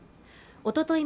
おととい